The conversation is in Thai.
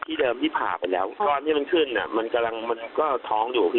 เดิมที่ผ่าไปแล้วก้อนที่มันขึ้นอ่ะมันกำลังมันก็ท้องอยู่พี่